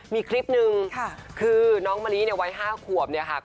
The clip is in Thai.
มีคลิปนึงคือน้องมะลีไว้ห้าขวบ